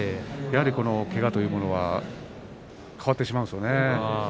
やはり、けがというのは変わってしまうんですね。